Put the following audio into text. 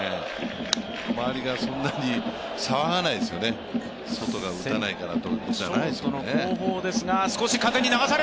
周りがそんなに騒がないですよね、ソトが打たないからと。